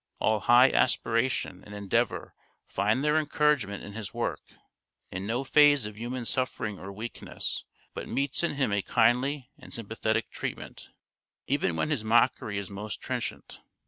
All high aspiration and endeavour find their encouragement in his work, and no phase of human suffering or weakness but meets in him a kindly and sympathetic treatment, even when his mockery is most trenchant.